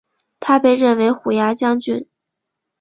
他被任为虎牙将军。